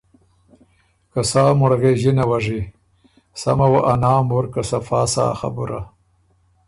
که سا مُړغېݫِنه وه ژی، سمه وه ا نام وُر که صفا سۀ ا خبُره۔